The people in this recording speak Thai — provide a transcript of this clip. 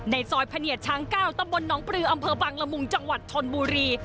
ซอยพะเนียดช้าง๙ตำบลน้องปลืออำเภอบังละมุงจังหวัดชนบุรี